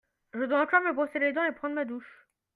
Je dois encore me brosser les dents et prendre ma douche.